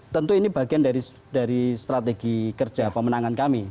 tentu ini bagian dari strategi kerja pemenangan kami